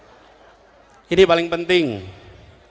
yang kelima di ujungnya dan ini yang paling mendasar